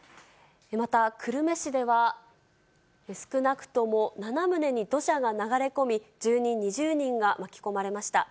また久留米市では少なくとも７棟に土砂が流れ込み、住人２０人が巻き込まれました。